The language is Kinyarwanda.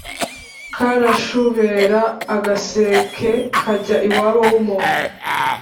karashubera-agaseke kajya iwabo w'umuntu.